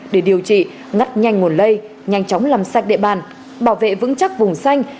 để điều trị ngắt nhanh nguồn lây nhanh chóng làm sạch địa bàn bảo vệ vững chắc vùng xanh